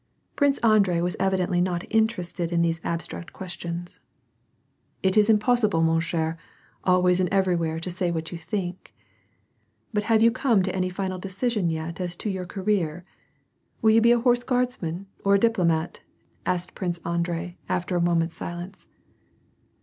Prince Andrei was evidently not interested in these abstract questions. " It is impossible, rnon cker, always and everywhere to say what you think. But have you come to any final decision yet as to your career ? Will you be a horse g^iardsman or a diplo mat ?" asked Prince Andrei, after a moment's silence.